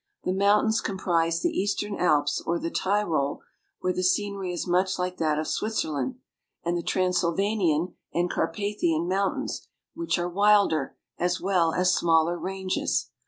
The moun tains comprise the Eastern Alps or the Tyrol, where the scenery is much like that of Switzerland, and the Transyl vanian and Carpathian Mountains, which are wilder, as well as smaller ranges.